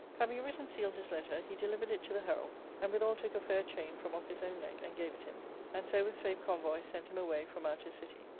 Having writ and sealed his letter, he delivered it to the herald, and withal took a fair chain from off his own neck and gave it him ; and so with safe convoy sent him away from out his city.